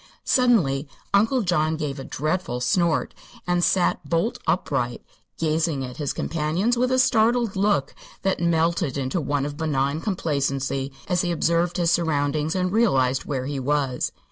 Suddenly Uncle John gave a dreadful snort and sat bolt upright, gazing at his companions with a startled look that melted into one of benign complacency as he observed his surroundings and realized where he was.